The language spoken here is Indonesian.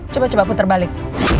coba coba putar balik